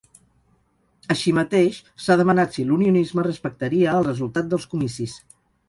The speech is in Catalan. Així mateix, s’ha demanat si l’unionisme respectaria el resultat dels comicis.